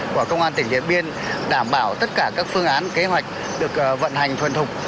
của công an tỉnh điện biên đảm bảo tất cả các phương án kế hoạch được vận hành thuần thục